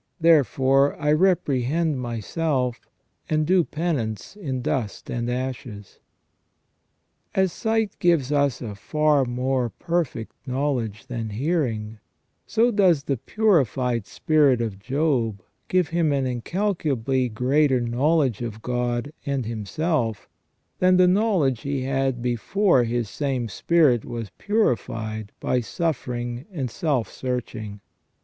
Therefore I reprehend myself, and do penance in dust and ashes." As sight gives us a far more perfect knowledge than hearing, so does the purified spirit of Job give him an incalculably greater knowledge of God and himself, than the knowledge he had before his sanie spirit was purified by suffering and self searching.